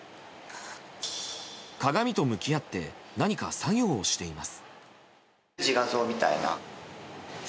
鏡と向き合って何か作業をしています。